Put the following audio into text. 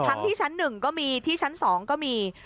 ทั้งที่ชั้นหนึ่งก็มีที่ชั้นสองก็มี